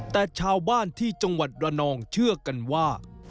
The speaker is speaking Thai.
แต่ชาวบ้านที่จังหวัดระนองเชื่อกันว่า